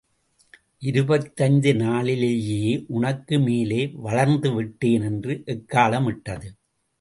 இருபத்தைந்து நாளிலேயே உனக்கு மேலே வளர்ந்துவிட்டேன் என்று எக்காளமிட்டது.